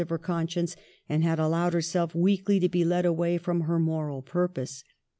381 of her conscience and had allowed herself weakly to be led away from her moral purpose.